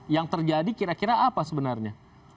yang terjadi kira kira apa sebenarnya